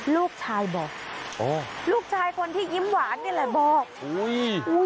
ลูกชายบอกอ๋อลูกชายคนที่ยิ้มหวานนี่แหละบอกอุ้ย